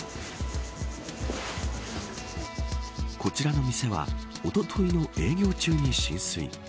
こちらの店はおとといの営業中に浸水。